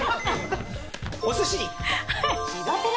おすし。